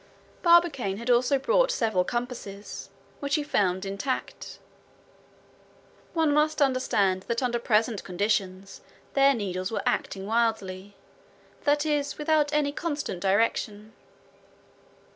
Barbicane had also brought several compasses, which he found intact. One must understand that under present conditions their needles were acting wildly, that is without any constant direction.